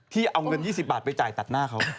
เอาเงิน๒๐บาทไปจ่ายตัดหน้าเขา